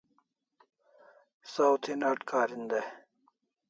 Saw thi n'at karin day